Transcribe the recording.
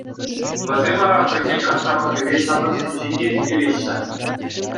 Вӗсем ара хӑйсен хастарлӑхӗпе ҫамрӑксенчен те ирттереҫҫӗ.